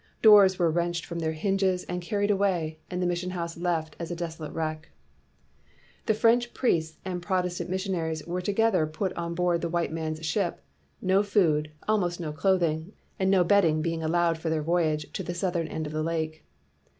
Doors were wrenched from their hinges and carried away, and the mis sion house left a desolate wreck. The French priests and Protestant mis sionaries were together put on board the white man's ship, no food, almost no cloth ing, and no bedding being allowed for their voyage to the southern end of the lake.